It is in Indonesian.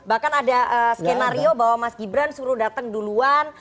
bahkan ada skenario bahwa mas ghibren suruh dateng duluan